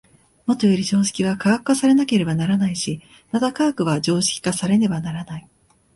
もとより常識は科学化されねばならないし、また科学は常識化されねばならない。